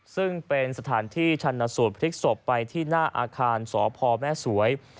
ซึ่งเป็นสถานที่ชันสูตรพลิกศพไปที่หน้าอาคารสพแม่สวย